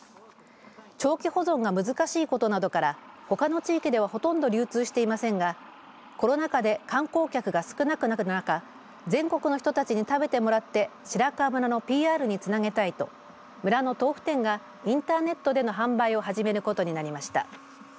長期保存が難しいことなどからほかの地域ではほとんど流通していませんがコロナ禍で観光客が少なくなる中全国の人たちに食べてもらって白川村のＰＲにつなげたいと村の豆腐店がインターネットでの販売を始めることになりました。